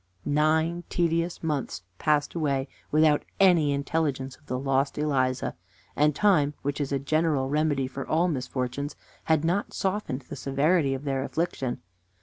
Nine tedious months passed away without any intelligence of the lost Eliza; and time, which is a general remedy for all misfortunes, had not softened the severity of their affliction.